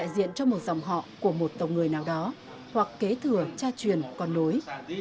giọng họ của một tộc người nào đó hoặc kế thừa cha truyền con đối